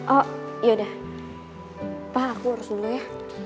oh yaudah pak aku harus dulu ya